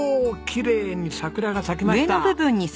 きれいに桜が咲きました。